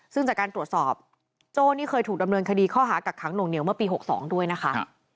ซึ่งจากการตรวจสอบโจ้นี่เคยถูกดำเนินคดีข้อหากักขังหน่วงเหนียวเมื่อปี๖๒ด้วยนะคะ